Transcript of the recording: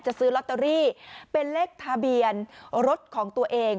ซื้อลอตเตอรี่เป็นเลขทะเบียนรถของตัวเอง